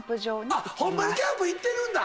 ホンマにキャンプ行ってるんだ。